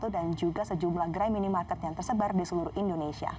dan juga sejumlah gerai minimarket yang tersebar di seluruh indonesia